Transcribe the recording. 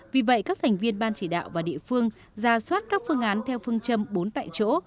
vì vậy các thành viên ban chỉ đạo và địa phương ra soát các phương án theo phương châm bốn tại chỗ